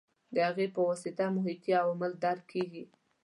د هغې په واسطه محیطي عوامل درک کېږي.